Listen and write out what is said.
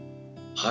はい。